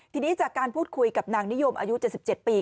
ทีนี้จากการพูดคุยกับนางนิยมอายุ๗๗ปี